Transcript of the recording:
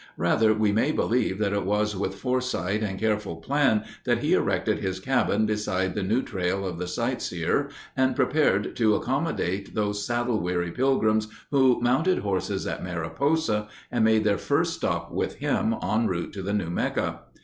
Rather we may believe that it was with foresight and careful plan that he erected his cabin beside the new trail of the sight seer and prepared to accommodate those saddle weary pilgrims who mounted horses at Mariposa and made their first stop with him en route to the new mecca.